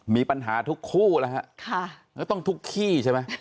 มีปัญหาทุกคู่แล้วฮะแล้วต้องทุกขี้ใช่ไหม